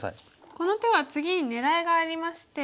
この手は次に狙いがありまして。